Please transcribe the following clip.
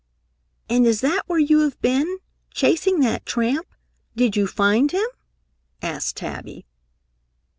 "And is that where you have been, chasing that tramp? Did you find him?" asked Tabby.